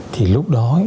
thì lúc đó